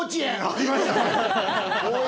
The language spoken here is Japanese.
ありましたね。